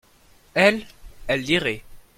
elle, elle lirait.